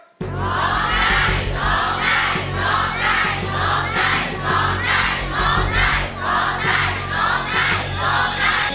ร้องได้ร้องได้ร้องได้ร้องได้